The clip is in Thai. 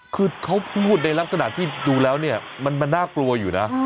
คือเขาพูดในลักษณะที่ดูแล้วเนี่ยมันน่ากลัวอยู่นะ